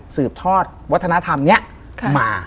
สืบทอดวัฒนธรรมนี้มา